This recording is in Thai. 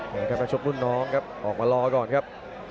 นี่ครับนักชกรุ่นน้องครับออกมารอก่อนครับ